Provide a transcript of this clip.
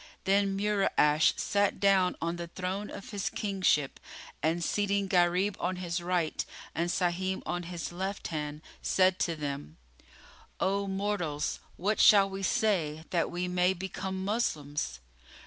Then Mura'ash sat down on the throne of his kingship and, seating Gharib on his right and Sahim on his left hand, said to them, "O mortals, what shall we say, that we may become Moslems?"